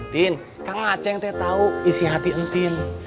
tin kak ngaceng teh tau isi hati entin